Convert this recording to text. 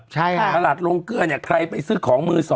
ตลาดลงเกลือเนี่ยใครไปซื้อของมือ๒